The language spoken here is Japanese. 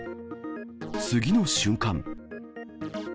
次の瞬間。